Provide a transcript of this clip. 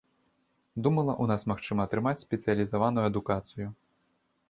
Думала, у нас магчыма атрымаць спецыялізаваную адукацыю.